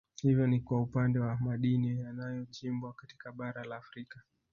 Hiyo ni kwa upande wa madini yanayochimbwa katika Bara la Afrika